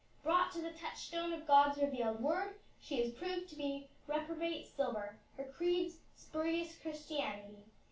Brought to the touch stone of God's revealed word, she is proved to be reprobate silver; her creed spurious Christianity.